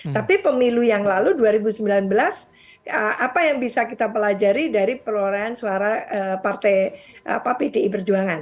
tapi pemilu yang lalu dua ribu sembilan belas apa yang bisa kita pelajari dari perolehan suara partai pdi perjuangan